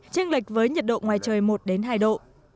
chênh lệch với nhiệt độ ngoài trời một đến hai độ